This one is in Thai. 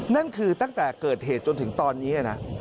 นั่นคือตั้งแต่เกิดเหตุจนถึงตอนนี้นะ